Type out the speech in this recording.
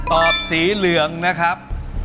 อบสีเหลืองนะครับ